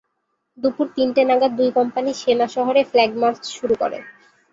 দুপুর তিনটে নাগাদ দুই কোম্পানি সেনা শহরে ফ্ল্যাগ মার্চ শুরু করে।